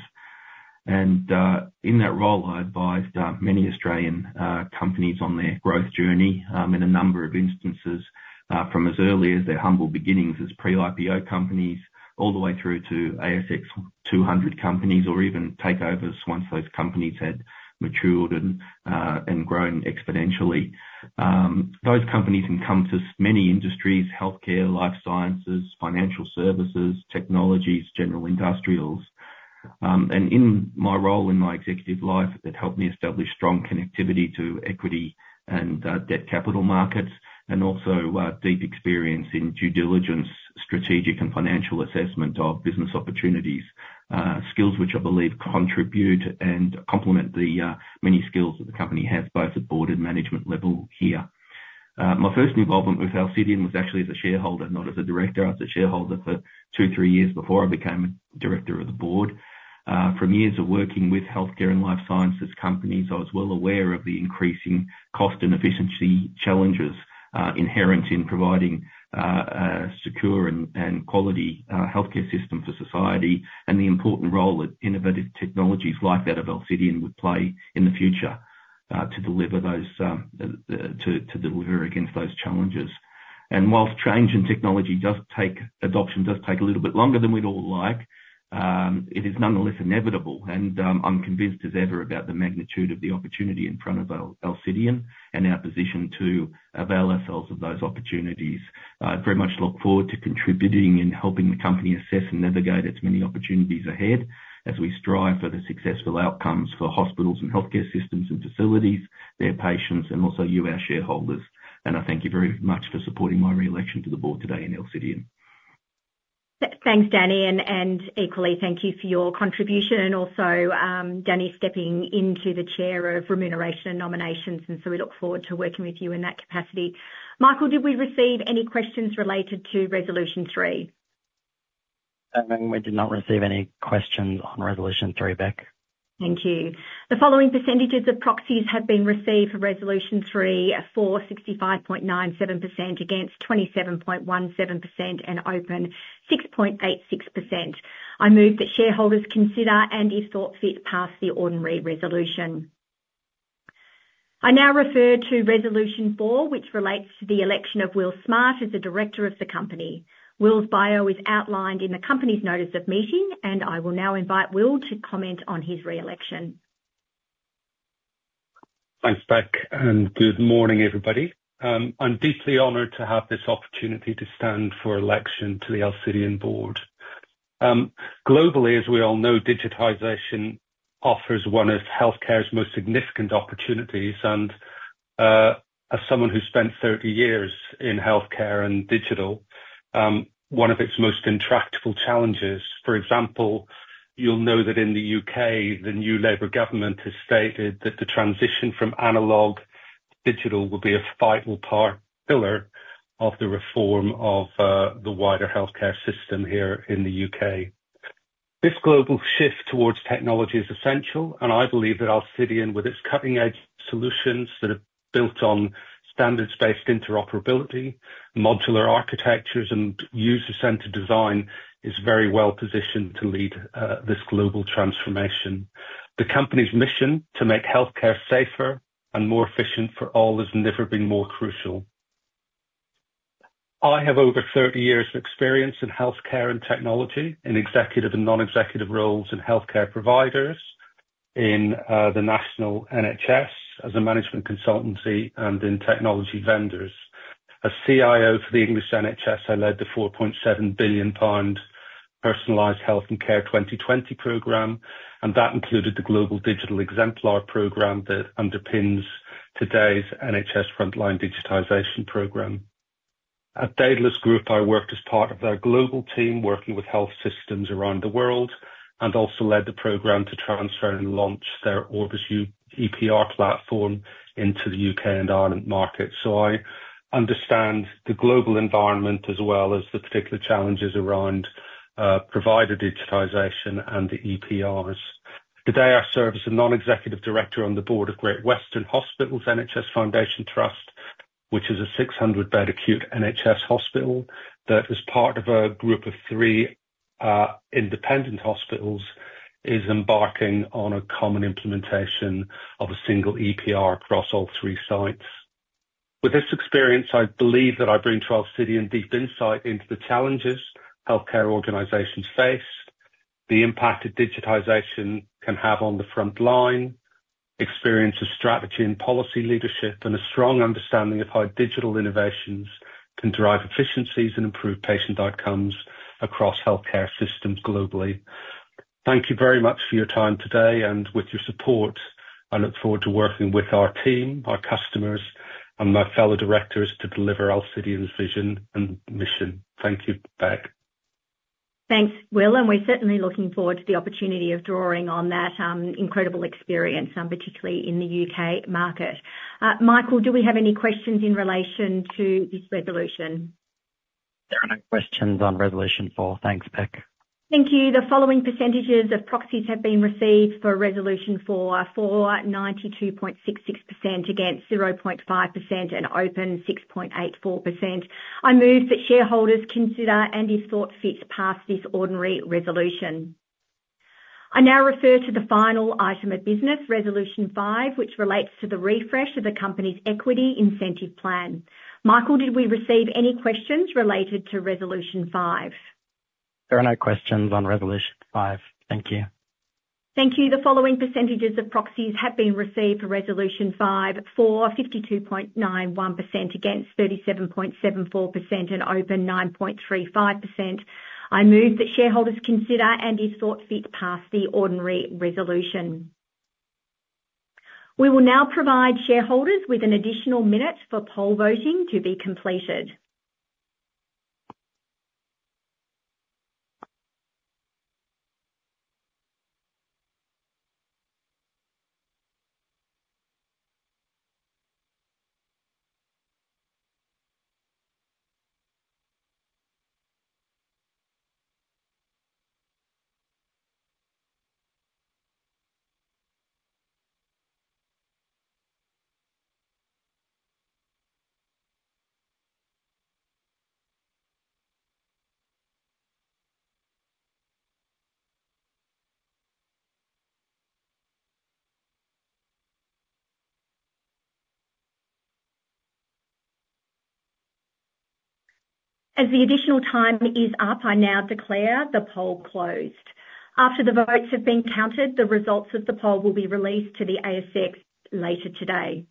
In that role, I advised many Australian companies on their growth journey, in a number of instances, from as early as their humble beginnings as pre-IPO companies, all the way through to ASX 200 companies, or even takeovers once those companies had matured and grown exponentially. Those companies encompass many industries: healthcare, life sciences, financial services, technologies, general industrials. And in my role in my executive life, it helped me establish strong connectivity to equity and debt capital markets, and also deep experience in due diligence, strategic and financial assessment of business opportunities. Skills which I believe contribute and complement the many skills that the company has, both at board and management level here. My first involvement with Alcidion was actually as a shareholder, not as a director. I was a shareholder for two, three years before I became a director of the board. From years of working with healthcare and life sciences companies, I was well aware of the increasing cost and efficiency challenges inherent in providing a secure and quality healthcare system for society, and the important role that innovative technologies like that of Alcidion would play in the future to deliver against those challenges. While change in technology does take, adoption does take a little bit longer than we'd all like, it is nonetheless inevitable, and I'm convinced as ever about the magnitude of the opportunity in front of Alcidion and our position to avail ourselves of those opportunities. I very much look forward to contributing and helping the company assess and navigate its many opportunities ahead as we strive for the successful outcomes for hospitals and healthcare systems and facilities, their patients, and also you, our shareholders, and I thank you very much for supporting my re-election to the board today in Alcidion.... Thanks, Danny, and equally, thank you for your contribution, and also, Danny stepping into the chair of Remuneration and Nominations, and so we look forward to working with you in that capacity. Michael, did we receive any questions related to resolution three? We did not receive any questions on resolution three, Beck. Thank you. The following percentages of proxies have been received for Resolution Three: for, 65.97%, against 27.17%, and open, 6.86%. I move that shareholders consider, and if thought fit, pass the ordinary resolution. I now refer to Resolution Four, which relates to the election of Will Smart as a director of the company. Will's bio is outlined in the company's notice of meeting, and I will now invite Will to comment on his re-election. Thanks, Beck, and good morning, everybody. I'm deeply honored to have this opportunity to stand for election to the Alcidion board. Globally, as we all know, digitization offers one of healthcare's most significant opportunities, and, as someone who spent 30 in healthcare and digital, one of its most intractable challenges. For example, you'll know that in the U.K., the new Labour government has stated that the transition from analog to digital will be a vital part, pillar of the reform of, the wider healthcare system here in the U.K. This global shift towards technology is essential, and I believe that Alcidion, with its cutting-edge solutions that are built on standards-based interoperability, modular architectures, and user-centered design, is very well positioned to lead, this global transformation. The company's mission: to make healthcare safer and more efficient for all, has never been more crucial. I have over 30 years of experience in healthcare and technology, in executive and non-executive roles in healthcare providers, in the national NHS as a management consultancy and in technology vendors. As CIO for the English NHS, I led the 4.7 billion pound Personalised Health and Care 2020 program, and that included the Global Digital Exemplar program that underpins today's NHS Frontline Digitisation program. At Dedalus Group, I worked as part of their global team, working with health systems around the world, and also led the program to transfer and launch their Orbis Suite EPR platform into the U.K. and Ireland market. So I understand the global environment as well as the particular challenges around provider digitization and the EPRs. Today, I serve as a non-executive director on the board of Great Western Hospitals NHS Foundation Trust, which is a 600-bed acute NHS hospital that is part of a group of three, independent hospitals, is embarking on a common implementation of a single EPR across all three sites. With this experience, I believe that I bring to Alcidion deep insight into the challenges healthcare organizations face, the impact that digitization can have on the front line, experience of strategy and policy leadership, and a strong understanding of how digital innovations can drive efficiencies and improve patient outcomes across healthcare systems globally. Thank you very much for your time today, and with your support, I look forward to working with our team, our customers, and my fellow directors to deliver Alcidion's vision and mission. Thank you, Beck. Thanks, Will, and we're certainly looking forward to the opportunity of drawing on that incredible experience, particularly in the U.K. market. Michael, do we have any questions in relation to this resolution? There are no questions on Resolution Four. Thanks, Beck. Thank you. The following percentages of proxies have been received for Resolution Four: for 92.66%, against 0.5%, and open 6.84%. I move that shareholders consider, and if thought fit, pass this ordinary resolution. I now refer to the final item of business, Resolution Five, which relates to the refresh of the company's equity incentive plan. Michael, did we receive any questions related to Resolution Five? There are no questions on Resolution Five. Thank you. Thank you. The following percentages of proxies have been received for Resolution Five: for, 52.91%, against 37.74%, and open, 9.35%. I move that shareholders consider, and if thought fit, pass the ordinary resolution. We will now provide shareholders with an additional minute for poll voting to be completed. As the additional time is up, I now declare the poll closed. After the votes have been counted, the results of the poll will be released to the ASX later today.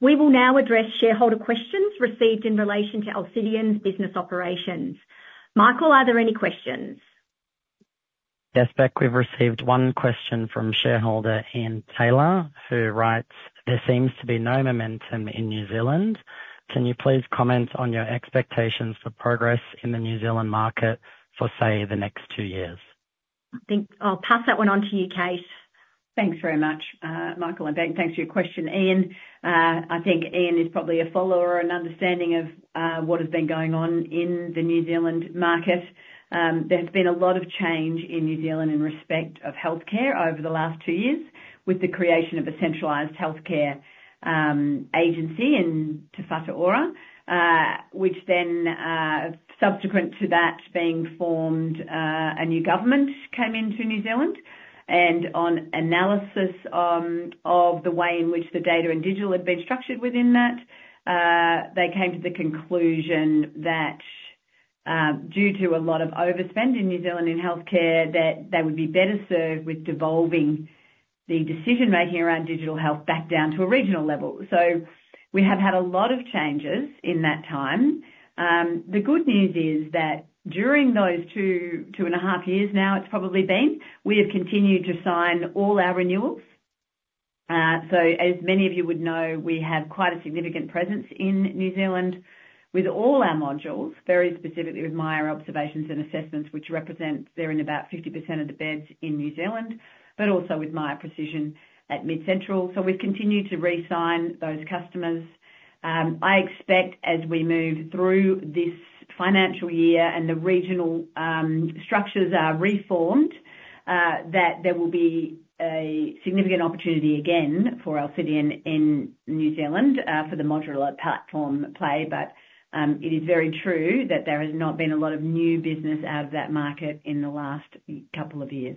We will now address shareholder questions received in relation to Alcidion's business operations. Michael, are there any questions?... Yes, Beck, we've received one question from shareholder Ian Taylor, who writes: "There seems to be no momentum in New Zealand. Can you please comment on your expectations for progress in the New Zealand market for, say, the next two years? I think I'll pass that one on to you, Kate. Thanks very much, Michael, and Beck, thanks for your question, Ian. I think Ian is probably a follower and understanding of what has been going on in the New Zealand market. There has been a lot of change in New Zealand in respect of healthcare over the last two years, with the creation of a centralized healthcare agency in Te Whatu Ora, which then, subsequent to that being formed, a new government came into New Zealand, and on analysis of the way in which the data and digital had been structured within that, they came to the conclusion that, due to a lot of overspend in New Zealand in healthcare, that they would be better served with devolving the decision-making around digital health back down to a regional level. So we have had a lot of changes in that time. The good news is that during those two, two and a half years now, it's probably been, we have continued to sign all our renewals. So as many of you would know, we have quite a significant presence in New Zealand with all our modules, very specifically with Miya Observations and Assessments, which represent they're in about 50% of the beds in New Zealand, but also with Miya Precision at MidCentral. So we've continued to re-sign those customers. I expect as we move through this financial year and the regional structures are reformed, that there will be a significant opportunity again for Alcidion in New Zealand, for the modular platform play. But, it is very true that there has not been a lot of new business out of that market in the last couple of years.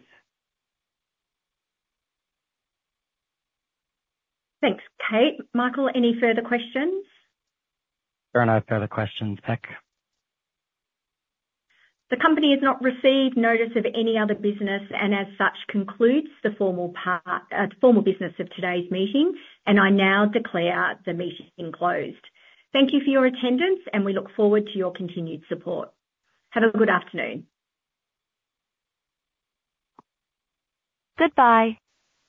Thanks, Kate. Michael, any further questions? There are no further questions, Beck. The company has not received notice of any other business, and as such, concludes the formal part, formal business of today's meeting, and I now declare the meeting closed. Thank you for your attendance, and we look forward to your continued support. Have a good afternoon. Goodbye.